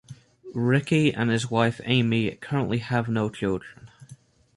Ricky and his wife Amy currently have no children.